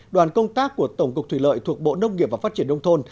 đoàn công tác của tổng cục thủy lợi thuộc bộ nông nghiệp và phát triển nông thôn